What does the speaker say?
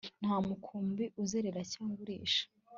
Nta mukumbi uzerera cyangwa urisha